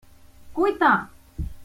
Cuita!